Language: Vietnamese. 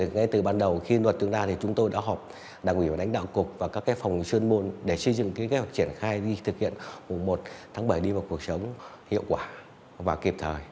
ngay từ ban đầu khi luật tương lai chúng tôi đã họp đảng ủy và đánh đạo cục và các phòng chuyên môn để xây dựng kế hoạch triển khai đi thực hiện mùa một tháng bảy đi vào cuộc sống hiệu quả và kịp thời